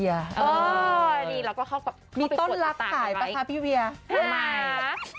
แล้วเราก็เข้าไปกดตากันไหมมีต้นลักขายปะคะพี่เวียไม่